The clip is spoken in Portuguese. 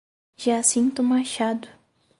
Jacinto Machado